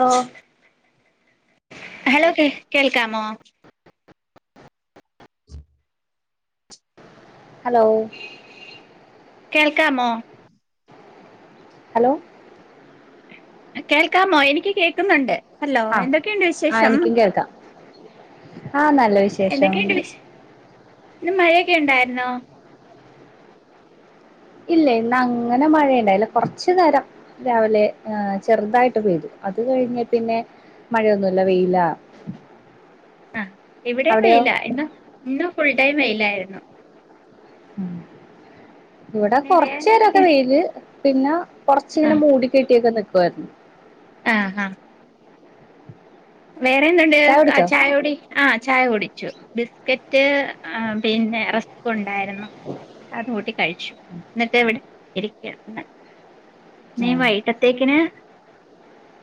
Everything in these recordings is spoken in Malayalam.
ഓ, ഹലോ കേ കേൾക്കാമോ? ഹലോ? കേൾക്കാമോ ഹലോ കേൾക്കാമോ എനിക്ക് കേക്കൊന്നുണ്ട്, ഹലോ ആ എന്തൊക്കെയുണ്ട് ആ വിശേഷം എനിക്കും കേൾക്കാം ആ നല്ല വിശേഷം. എന്തൊക്കെയുണ്ട് വിശ ഇന്ന് മഴയൊക്കെണ്ടായിർന്നോ? ഇല്ല ഇന്ന് അങ്ങനെ മഴയിണ്ടായീല, കൊറച്ച് നേരം രാവിലെ ചെറുതായിട്ട് പെയ്തു. അത് കഴിഞ്ഞെ പിന്നെ മഴയൊന്നുല്ല വെയിലാ ആഹ് ഇവിടെയും അവിടെയോ വെയിലാ ഇന്ന് ഇന്ന ഫുൾ ടൈം വെയിലായിര്ന്നു. ഉം. ഇവിടെ കൊറച്ചേരൊക്കെ വേറെന്തൊക്കെ വെയില് പിന്നെ കൊറച്ചിങ്ങനെ മൂടി കെട്ടിയൊക്കെ നിക്ക് [inaudible] ആഹ് ആഹ് വേറെ എന്തുണ്ട് ചായ കുടി, ആ ചായ കുടിച്ചു ബിസ്കെ റ്റ് പിന്നെ റസ്കുണ്ടായിര്ന്നു അത് കൂട്ടി കഴിച്ചു, ന്നട്ട് ഇവിടെ ഇരിക്ക എന്ന നീ വൈട്ടത്തേക്കിന്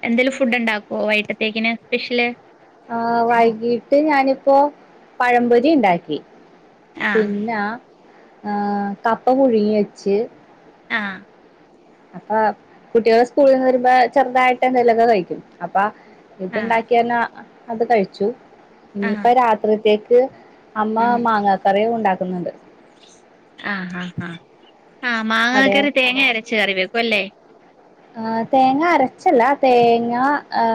എന്തേലും ഫുഡുണ്ടാക്കുവോ വൈട്ടത്തേക്കിന് [inaudible] ആഹ് വൈകീട്ട് ഞാനിപ്പോ പഴമ്പൊരിണ്ടാക്കി. ആ പിന്നാ ആ കപ്പ പുഴുങ്ങി വെച്ച് ആഹ് അപ്പൊ കുട്ടികള് സ്കൂളിന്ന് വരുമ്പോ ചെറുതായിട്ട് എന്തേലൊക്കെ കഴിക്കും അപ്പ ആ ഇത്ണ്ടാക്കിയന്ന അത് കഴിച്ചു, ആഹ് ഇനിയിപ്പ രാത്രിത്തേക്ക് അമ്മ ഉം മാങ്ങക്കറിയുംണ്ടാക്കുന്ന്ണ്ട്. ആഹ് ആ ആ ആ അവിടെയോ മാങ്ങക്കറി തേങ്ങയരച്ച് കറിവെക്കുവല്ലേ. ആഹ് തേങ്ങ അരച്ചല്ല തേങ്ങ ആ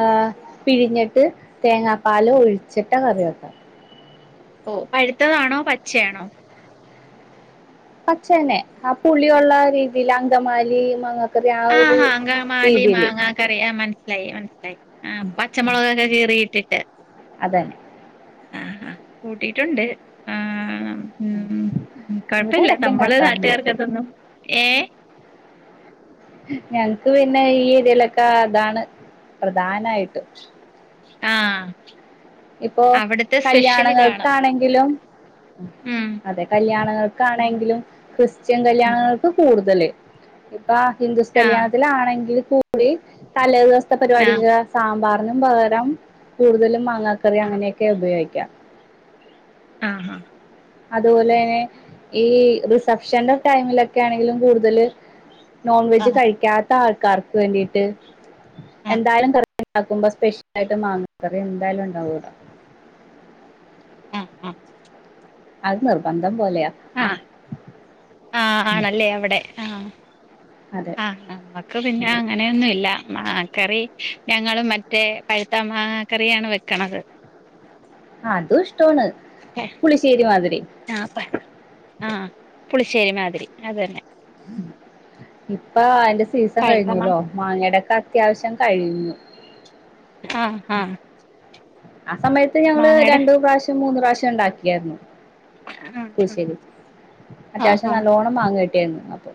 പിഴിഞ്ഞിട്ട് തേങ്ങാപ്പ പാലോ ഒഴിച്ചിട്ടാ കറിവെക്കാ. ഓഹ് പഴുത്തതാണോ പചേണോ? പച്ചതന്നെ ആ പുളി ഉള്ള രീതില [unintelligible] ആഹ് ങ്ങമാലി മാങ്ങ കറിയാ മനസ് നസ്സിലായീ മനസ്സിലായി ആ പച്ചമൊളകൊക്കെ കീറിയിട്ടിട്ട് അതെ. ആഹ് ആ കൂട്ടിട്ടുണ്ട് ആ. ഉം ഉം ഇവിടെ കൊഴപ്പില്ലാ ഇടക്ക് നമ്മള് ഇണ്ടാക്കാറുണ്ട് നാട്ടുകാർക്കെത്തൊന്നും യെ ഞങ്ങക്ക് പിന്നെ ഈ ഇതിലെക്കെ അതാണ് പ്രധാനായിട്ട് ആാ ഇപ്പോ കല്യാണങ്ങൾക്കാണെങ്കിലും ഉം അതെ കല്യാണ ആണെങ്കിലും ക്രിസ്ത്യൻ കല്യാണങ്ങൾക്ക് കൂടുതല് ഇപ്പാ ഹിന്ദുസ് ആഹ് കല്യാണത്തിലാണെങ്കി കൂടി തലെ ദിവസത്തെ ആഹ് പരിപാടിക സാമ്പാറ് ന് പകരം കൂടുതലും മാങ്ങക്കറി ആഹ് അങ്ങനെയൊക്കെ ഉപയോഗിക്ക്യാ ആാ ആാ അത് പോലെ തന്നെ ഈ റിസെപ്ഷൻ ടൈമിലൊക്കെ ആണെങ്കിലും കൂടുതല് നോൺ വെജ് ആഹ് കഴിക്കാത്ത ആൾക്കാർക്ക് വേണ്ടിട്ട് ആഹ് എന്തായാലും ക ക്ക്മ്പോ സ്പെഷ്യലായിട്ട് മാങ്ങ കറി എന്തായാലും ഉണ്ടാവുമലോ [unintelligible] ആാ ആാ അത് നിർബ ആാ ആാ ഉം ആണല്ലേ അവടെ ആാ അതെ ആാ നമ്മക്ക് പിന്നെ അങ്ങനെയൊന്നു ഇല്ല മാങ്ങാ കറി ഞങ്ങളും മറ്റേ പഴുത്ത മാങ്ങാക്കറിയാണ് വെക്കണത് അതും ഇഷ്ടമാണ് പുളിശ്ശേരി മാതിരി ആാ പുളിശ്ശേരി മാതിരി അത് തന്നെ ഇപ്പൊ അയിന്റെ സീസൺ പഴുത്ത മാ കഴിഞ്ഞല്ലോ മാങ്ങടെക്കെ അത്യാവിശ്യം കഴിഞ്ഞു ആാ ആാ ആ സമയത്ത് ഞങ്ങള് രണ്ട് പ്രാവശ്യം മൂന്ന് പ്രാവശ്യം ഒണ്ടാക്കിയാരുന്നു പുളിശ്ശേരി അത്യാവശ്യം നല്ലോണം മാങ്ങ കിട്ടിയർന്ന് അപ്പൊ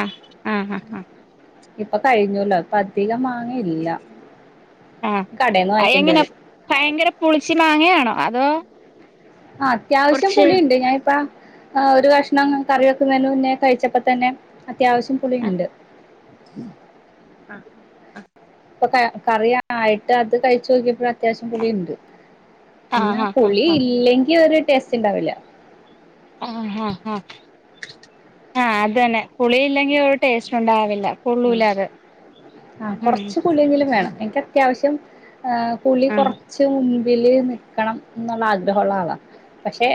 ആാ ആാ ആാ ആാ ഇപ്പൊ കഴിഞ്ഞുല്ലോ അപ്പൊ അധികം മാ ആാ കടേന്ന് അയ് വാങ്ങിക്കേണ്ടി എങ്ങനെ വരും ഭയങ്കര പുളിച്ചി മാങ്ങയാണോ അതോ ആ അത്യാവിശ്യം കൊറച്ച് പുളി ഒണ്ട് ഞാനിപ്പാ ആാ ഒര് കക്ഷണം കറി വെക്കുന്നേന് മുന്നേ കഴിച്ചപ്പോ തന്നെ അത്യാവിശ്യം പുളി ഇണ്ട് [inaudible] ആാ ആാ ഇപ്പൊ ക കറിയ ആയിട്ട് അത് കഴിച്ച് നോക്കിയപ്പോ അത്യാവിശ്യം പുളി ഇണ്ട് പിന്നെ ആഹ് ആഹ് പുളി ആഹ് ആഹ് ഇല്ലെങ്കി ഒര് ടേസ്റ്റ് ഇണ്ടാവില്ലാ ആാ അത് തന്നെ പുളി ഇല്ലെങ്കി ഒര് ടേസ്റ്റ് ഒണ്ടാവില്ല ആാ ആാ കൊറച്ച് പുള്ളിയെങ്കിലും വേണം എനിക്ക് അത്യാവിശ്യം ആാ പൂളി ആഹ് കൊറച്ച് മുൻപില് നിക്കണം എന്നുള്ളാ ആഗ്രഹം ഒള്ള ആളാ പശെ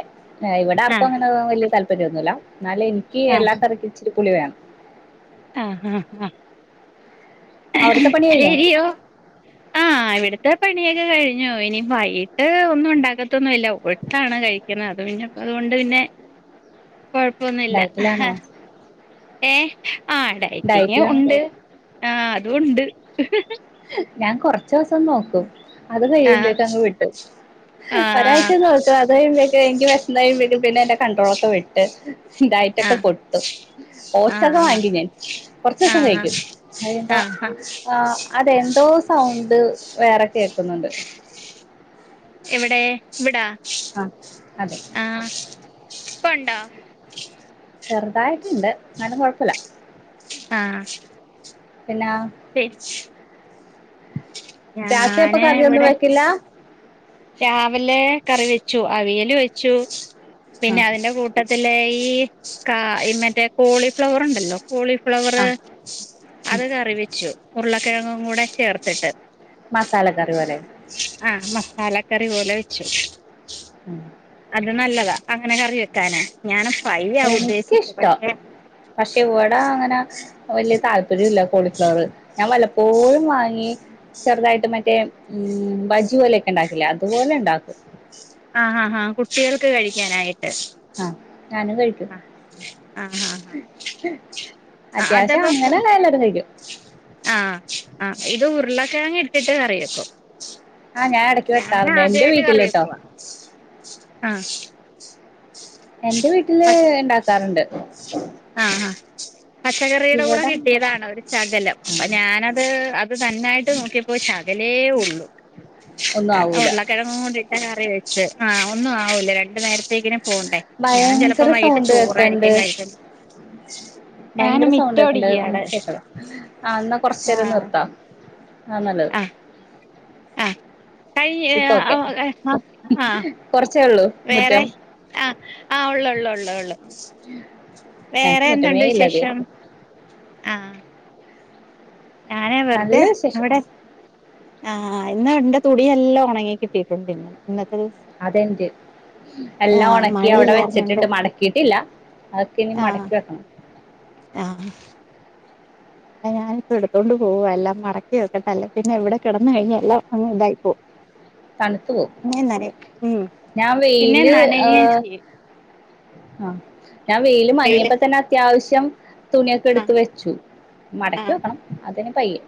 യെ ഇവടെ ആർക്കും ആഹ് അങ്ങനെ വല്ല്യാ താല്പാര്യം ഒന്നു ഇല്ലാ എന്നാല് എനിക്ക് എല്ലാ കറിക്കും ഇച്ചിരി ഉ പൂളി വേണം ആാ ആാ ആാ അവിടുത്തെ പണി കഴിഞ്ഞോ എരിയോ ആാ ഇവടാത്തെ പണിയൊക്കെ കഴിഞ്ഞ് ഞ്ഞു ഇനി വൈയിട്ട് ഒന്നും ഒണ്ടാക്കത്തൊന്നും ഇല്ല ഓട്സ് ആണ് കഴിക്ക്ന്നേത് അത് അത്കൊണ്ട് പിന്നെ കൊഴപ്പൊന്നു ഇല്ലാ ഡയറ്റിലാണോ ഹ യെ ആാ ഡയറ്റിങ് ഡയറ്റിലാണോ ഉണ്ട് ആ അതും ഉണ്ട് ഞാൻ കൊറച്ച് ദിവസം നോക്കും അത് ആഹ് കഴിയുമ്പോക്ക് അങ്ങ് വിട്ട് ആഹ് ഒരാഴ്ച നോക്കു അത് കഴിമ്പോഴ്ക്ക് എനിക്ക് വേഷന്ന് കഴിയ്മ്പോഴക്കും പിന്നെ എന്റെ കണ്ടട്രോളൊക്കെ വിട്ട് [unintelligible] ഡായിറ്റാക്കെ പൊട്ടു ആഹ് ഓട്സ് ഓക ആഹ് വാഗി ഞാൻ കൊറച്ച് ദിവസം കഴിക്കും ആഹ് [unintelligible] ആഹ് ആഹ് ആാ എന്തോ സൗണ്ട് വേറെ കെ എവടെ ഇവടാ ആാ അതെ പണ്ടാ ചെറുതായിട്ടുണ്ട് ന്നാലും കൊഴപ്പല്ല ആഹ് പിന്നെ [unintelligible] രാത്രി അപ്പൊ ഞാന് കറിയൊന്നും ഇവിടെ വെക്കില്ല രാവിലെ കറി വെച്ചു അവിയൽ വെച്ചു പിന്നെ ആഹ് അതിന്റെ കൂട്ട ത്തില് ഈ കാ ഈ മറ്റേ കോളിഫ്ലവറുണ്ടല്ലോ കോളി ഫ്ലവറ് ആഹ് അത് കറി വെച്ചു ഉരുളക്കിഴങ്ങും കൂടെ ചേർത്തിട്ട് മസാലക്കറി പോലെ ആഹ് മസാലക്കറി പോലെ വെച്ചു. ഉം അത് നല്ലതാ അങ്ങനെ കറി വെക്കാനെ ഞാൻ ഫ്രൈ ആ ഉദ്ദേശിച്ചത് എനിക്കിഷ്ടാ പക്ഷെ പക്ഷെ ഇവിടാ അങ്ങനെ വല്യ താല്പ ര്യല്ല്യ കോളിഫ്ലവറ് ഞാൻ വലപ്പോഴും വാങ്ങി ചെറുതായിട്ട് മറ്റേ ബജ്ജി പോലെയൊക്കെ ഉണ്ടാക്കില്ലേ അതുപോലെ ഉണ്ടാക്കും ആ ആാ ഹഹാ കുട്ടികൾക്ക് കഴിക്കാനായിട്ട്. ആഹ് ഞാനും കഴിക്കും ആഹ് ആഹ് ആഹ് ആഹ് അത്യാവശ്യം അതപ്പോ അങ്ങനെ എല്ലാവരും കഴിക്കും ആഹ ആ് ഇത് ഉരുള കെഴങ്ങ് ഇട്ടിട്ട് കറിയെക്കു ആ ഞാൻ ഇടയ്ക്ക് വെക്കാറുണ്ട് എന്റെ ഞാനാദ്യവായിട്ട് കറി വീട്ടില് ട്ടോ വെക്കുവാ ആഹ് എന്റെ വീട്ടില് ഇണ്ടാക്കാറുണ്ട്. ആ ആഹ പച്ചക്കറിയുടെ കൂടെ ഇവിടെ കിട്ടിയതാണ് ഒരു ശകലം ആ അപ്പൊ ഞാനത് അത് തന്നായിട്ട് നോക്കിയപ്പോ ശക ലേ ഒള്ളൂ ഒന്നും അതാ ആവൂല ഉരുളക്കിഴങ്ങൂടിട്ട കറി വെ ച്ചെ ആ ഒന്നും ആവൂല രണ്ട് നേരത്തേക്കിനും പോണ്ടേ ഞാൻ ചെലപ്പോ ഭയങ്കര വൈകീട്ട് സൗണ്ട് കേക്കണ്ട് ചോറായിരിക്കും കഴിക്ക ഭയങ്കര സൗണ്ട് ഏക്കണ്ട് അടിക്കയാണ് എന്നാ കൊറച്ചേരം ആഹ് നിർത്ത ആ നല്ലത് കൈ ഇപ്പൊ ആ ഓക്കെ ആ ആ കൊറച്ചേ ഉള്ളൂ വേറെ മുറ്റം ആ ആ ഉള്ളേള്ളു ഉള്ളു ഉള്ളു വേറെ ഞങ്ങക്ക് എന്തണ്ട് മുറ്റമേ ഇല്ല അധികം വിശേഷം ആ ഞാനേ വെറുതെ നല്ല വിശേഷം ഇവടെ ആ ആ ഇന്ന് എന്റെ തുണിയെല്ലാം ഉണങ്ങി കിട്ടിട്ടുണ്ട് ഇന്ന് ഇന്ന അതെന്റേം എല്ലാ ആഹ് ഉണക്കി അവിടെ വെച്ചിട്ടിണ്ട് മടക്കീട്ടില്ല ആ ആ ഇവടെ ഞാനിപ്പോ എടുത്തോണ്ട് പോവ എല്ലാം മടക്കി വെക്കട്ടെ അല്ലേ പിന്നെവടെ കിടന്ന് കഴിഞ്ഞാ എല്ല അങ്ങ് ഇതായി പോവു തണുത്തു പോകും പിന്നെ നന ഉം ഞാൻ പിന്നെ നനയുചെയ്യും ആ ഞാൻ വെയിലു വെയില് മങ്ങിയപ്പോ തന്നെ അത്യാവിശ്യം തുണിയൊക്കെ ആഹ് എടുത്ത് വെച്ചു മടക്കി വെക്കണം അതിന് പയ്യെ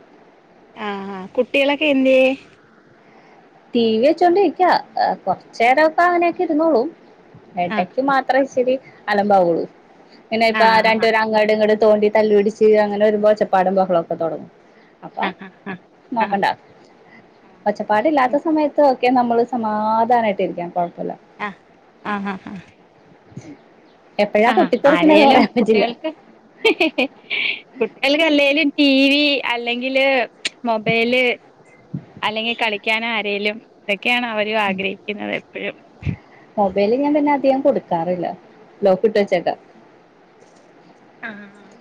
ആ കുട്ടികളൊക്കെ എന്ത്യെ ടി വി വെച്ചോണ്ടിരിക്കാ കുറച്ചേരൊക്കെ അങ്ങനെയൊക്കെ ഇരുന്നോളൂ ഇടയ്ക്ക് ആഹ് മാത്രേച്ചിരി അലമ്പാവുള്ളൂ പിന്നെ ഇപ്പ ആഹ് രണ്ടേര് അങ്ങാട് ഇങ്ങോട് തോണ്ടി തല്ലുപടിച്ച് അങ്ങനെ വരുമ്പോച്ചപ്പാടും ബഹളൊക്കെ തോടങ്ങു അപ്പ ആഹ് ആഹ് നോക്കണ്ട ആഹ് ആഹ് ഒച്ചപ്പാടില്ലാത്ത പ്പൊക്കെ നമ്മള് സമാധാനായിട്ട് ഇരിക്കാംപ്പം ആഹ് ആആഹ് ആ [inaudible] ആ പൊട്ടിത്തെറിക്കണത് ആരേലും പറയാൻ പറ്റില്ല കുട്ടികൾക്ക് കുട്ടികൾക്ക് അല്ലേലും ടി വി അല്ലെങ്കില് മൊബൈല് അല്ലെങ്കിൽ കളിക്കാന ആരെലും ഒക്കെയാണ് അവര ആഗ്രഹിക്കുന്നത് എപ്പോഴും മൊബൈല ഞാൻ പിന്നെ അധികം കൊടുക്കാറില്ല ലോക്ക് ഇട്ട് വെച്ചക്ക ആഹ് ആ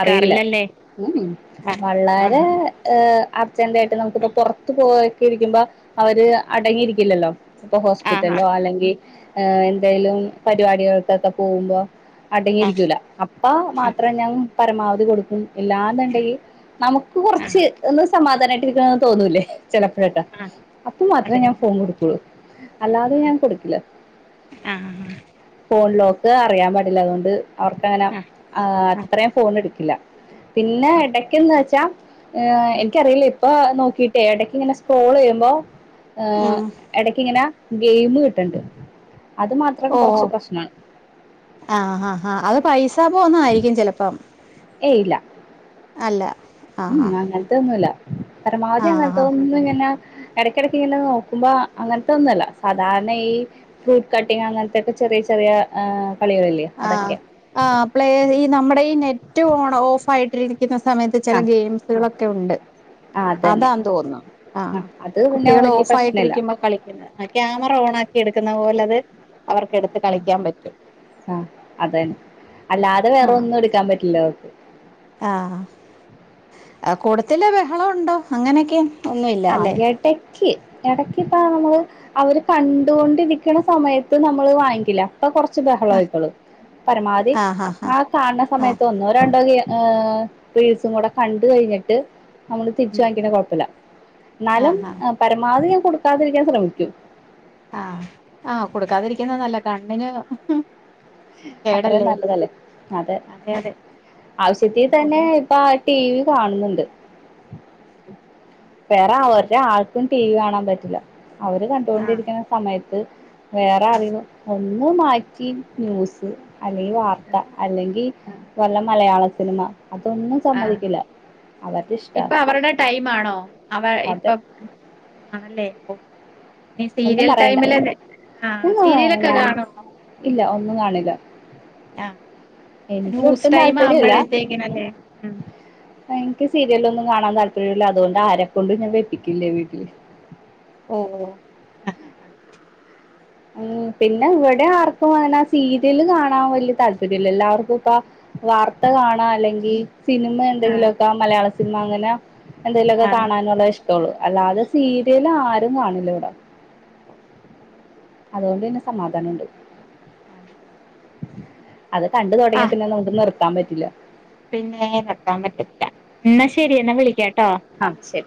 അറിയില്ല ഉ ആഹ് വളരെ ആഹ് ഏ അർജന്റായിട്ട് നമുക്കിപ്പ പുറത്ത് പോക്കെ ഇരിക്കുമ്പോ അവര് അടങ്ങിയിരിക്കില്ലല്ലോ ഇപ്പൊ ആഹ് ഹോസ്പിറ്റലോ അല്ലെങ്കിൽ എന്തെലും പരിപാടികൾക്കൊക്കെ പോകുമ്പോ ആഹ് അടങ്ങിയിരിക്കൂല അപ്പ ആഹ് മാത്രം ഞാൻ പരമാവധി കൊടുക്കും ഇല്ലാന്നുണ്ടെങ്കിൽ നമുക്ക് ആഹ് കുറച്ച് ഒന്ന് സമാധാനമായിട്ടിരിക്കണന്ന് തോന്നൂല്ലേ ചെലപ്പോഴ്ക്കെ ആഹ് അപ്പൊ ആഹ് മാത്രമേ അതെ ഞാൻ ഫോൺ കൊടുക്കുള്ളൂ ആഹ് അല്ലാതെ ഞാൻ കൊടുക്കില്ല ആഹ് ആഹ് ഫോൺ ലോക്ക് ഇ അറിയാൻ പാടില്ല അതുകൊണ്ട് അവർക്ക് അങ്ങനെ ആഹ് അത്രയും ഫോൺ എടുക്കില്ല പിന്നെ ആഹ് ഇടക്കന്ന് വെച്ചാ എനിക്കറിയില്ലേ ഇപ്പ നോക്കിയിട്ടേ ഇടക്കിങ്ങനെ സ്ക്രോൾ ചെയ്യുമ്പോൾ ഉം ഇടക്കിങ്ങനെ ഗെയിമ് കിട്ടണ്ട് ഓ ആ അത് പൈസ പോന്നയിരിക്കും ചിലപ്പം ഏല്ല ഉം ആഹ് അങ്ങനത്തൊന്നുമല്ല പരമാവധി ആഹ് അങ്ങനത്തൊന്നും ഇങ്ങനെ ഇടക്കടക്ക് ഇങ്ങനെ നോക്കുമ്പോ അങ്ങനത്തെ ഒന്നുമല്ല സാധാരണ ഈ ഫ്രൂട്ട് കട്ടിങ് അങ്ങനത്തെക്കെ ചെറിയ ചെറിയ ആ കളികളില്ലേ അതൊക്കെ ആആ പ്ലേ ഈ നമ്മുടെ ഈ നെറ്റ് ഓൺ ഓഫ് ആയിട്ടി ക്കുന്ന സമയത്ത് ചില ആ ഗെയിംസുകളൊക്കെ ഉണ്ട് ആ അതന്നെ അതാ തോന്നുന്നു ആ അത് പിന്നെ കുട്ടികൾ വലിയ ഓഫ് പ്രശ്നല്ല ആയിട്ടിരിക്കുമ്പോൾ കളിക്കുന്നത് ആ ക്യാമറ ഓൺ ആക്കി എടുക്കുന്നത് പോലെ അത് അവർക്ക എടുത്ത് കളിക്കാൻ പറ്റും അത തന്നെ അല്ലാതെ വേറെ ആഹ് ഒന്നും എടുക്കാൻ പറ്റില്ല അവക്ക് ആഹ് ആ കൂടത്തില്ല ബഹളം ഉണ്ടോ അങ്ങനെയൊക്കെ ഒന്നുമില്ല ആ അല്ലേ എടക്ക് ഇടക്കിപ്പ നമ്മള് അവര് കണ്ടുകൊണ്ടിരിക്കണ സമയത്ത് നമ്മള് വാങ്ങിക്കില്ല ഇപ്പ കുറച്ച് ബഹള ആയിക്കോളു പരമാവധി ആഹ് ആ കാണണ ആഹ് സമയത്തൊന്നോ രണ്ടോ സും കൂടെ കണ്ട കഴിഞ്ഞിട്ട് നമ്മള് തിരിച്ചു വാങ്ങിക്കണ്ട കുഴപ്പില്ല നലും ആഹ് ആഹ് ആഹ് പരമാവധി ഞാന് കൊടുക്കാതിരിക്കാൻ ശ്രമിക്കും ആഹ ആഹ് കൊടുക്കാതിരിക്കുന്ന നല്ല കണ്ണിന് അത്രയും കേടല്ലേ നല്ലതല്ലേ അതെ ആവശ്യത്തി തന്നെ അതെ ഇപ്പ ടി വി കാണുന്നുണ്ട് ഉം വേറെ അവരുടെ ആൾക്കും ടി വി കാണാൻ പറ്റില്ല അവര് ആഹ് കണ്ടുകൊണ്ടിരിക്കുന്ന സമയത്ത് വേറെ അറിവ ഒന്ന് മാറ്റി ന്യൂസ് അല്ലെങ്കിൽ വാർത്ത അല്ലെങ്കിൽ ആഹ് വല്ല മലയാള സിനിമ അതൊന്നും ആഹ് സമ്മതിക്കില്ല അവരുടെ ഇഷ്ടാ ഇപ്പൊ അവരുടെ ടൈം ആണോ അവ ഇപ്പൊ ആണല്ലേ ഓ ഇനി ഒന്നും സീരിയൽ പറയണ്ട ടൈമിൽന്നെ ആ സീരിയലൊക്കെ ഞാൻ കാണോ ഇല്ല ഒന്നും കാണലില്ല ആ ന്യൂസ് ടൈം താല്പര്യമില്ല ആവുമ്പോഴത്തേക്കനല്ലേ ഉ എനിക്ക് സീരിയലൊന്നും കാണാൻ താല്പര്യമില്ല അതുകൊണ്ട് ആരെക്കൊണ്ട്ും ഞാൻ വെപ്പിക്കില്ലേ വീട്ടില് ഓ ഉം പിന്നെ ഇവിടെ ആർക്കും അങ്ങനാ സീരിയല് കാണാൻ വലിയ താല്പര്യല്ല എല്ലാവർക്കും ഇപ്പ വാർത്ത കാണാ അല്ലെങ്കിൽ സിനിമ എന്തെങ്കിലുമൊക്കെ മലയാള സിനിമ അങ്ങനെ എന്തെങ്കിലുമൊക്കെ ആഹ് കാണാനുള്ള ഇഷ്ടം പത്തോളൂ അല്ലാതെ സീരിയല് ആരും കാണില്ല ഇട അതുകൊണ്ടെന്നേ സമാധാന്മുണ്ട്. ആഹ്. അത് കണ്ട് തുടങ്ങിയ പിന്നെ നമുക്ക് നിർത്താൻ പറ്റില്ല. പിന്നേ [unintelligible] പറ്റത്തില്ല ന്നാ ശെരി എന്നാ വിളിക്കാ അഹ് ശരി.